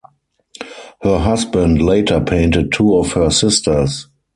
Her husband later painted two of her sisters.